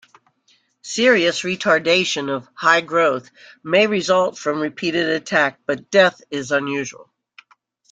Serious retardation of high growth may result from repeated attack but death is unusual.